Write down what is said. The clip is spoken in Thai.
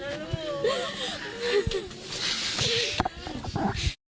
โอ้โหยแก้วตาดวงใจของคุณยายคุณยายให้สัมภาษณ์กับทีมข่าวของเรา